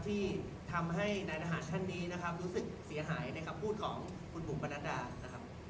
ที่ทำให้นายทหารท่านนี้นะครับรู้สึกเสียหายในคำพูดของคุณบุ๋มปนัดดานะครับ